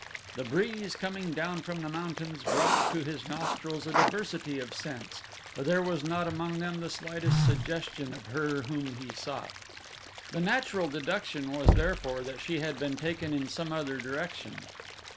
The breeze coming down from the mountains brought to his nostrils a diversity of scents but there was not among them the slightest suggestion of her whom he sought. The natural deduction was therefore that she had been taken in some other direction.